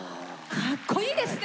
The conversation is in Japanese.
かっこいいですね！